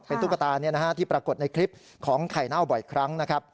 เป็นตุ๊กตาที่ปรากฏในคลิปของไข่น่าวบ่อยครั้ง